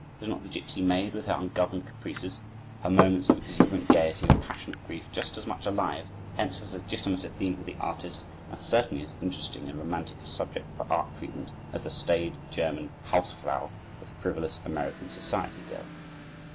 Is not the gipsy maid, with her ungoverned caprices, her moments of exuberant gaiety, or passionate grief, just as much alive, hence as legitimate a theme for the artist, and certainly as interesting and romantic a subject for art treatment, as the staid German Hausfrau, or the frivolous American society girl?